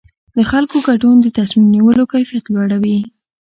د خلکو ګډون د تصمیم نیولو کیفیت لوړوي